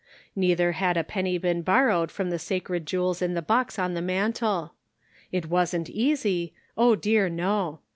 Neither had a penny been borrowed from the sacred jewels in the box on the mantel. It wasn't easy ; oh, dear, no